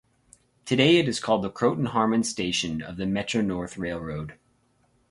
Today it is called the Croton-Harmon station of the Metro-North Railroad.